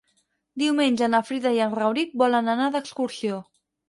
Diumenge na Frida i en Rauric volen anar d'excursió.